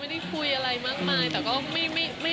ไม่ได้คุยอะไรไม่ออกต่อก็ไม่รู้ว่าจะยังไง